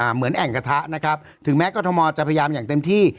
เหมือนแอ่งกระทะนะครับถึงแม้กรทมจะพยายามอย่างเต็มที่